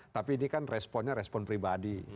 tapi ini kan responnya respon pribadi